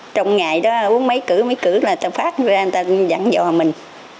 trong ngày đó uống mấy cửa mấy cửa là ta phát ra người ta dẫn dò mình